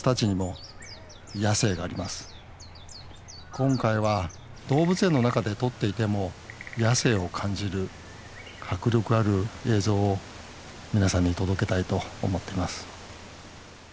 今回は動物園の中で撮っていても野性を感じる迫力ある映像を皆さんに届けたいと思っています